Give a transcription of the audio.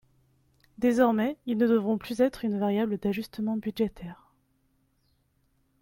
Désormais, ils ne devront plus être une variable d’ajustement budgétaire.